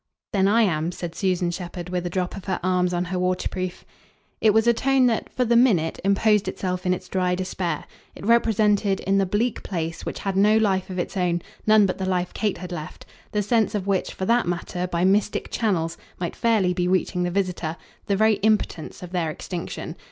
"Then I am," said Susan Shepherd with a drop of her arms on her waterproof. It was a tone that, for the minute, imposed itself in its dry despair; it represented, in the bleak place, which had no life of its own, none but the life Kate had left the sense of which, for that matter, by mystic channels, might fairly be reaching the visitor the very impotence of their extinction.